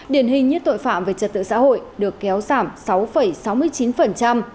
điển hình như tội phạm về trật tự xã hội được kéo giảm sáu sáu mươi chín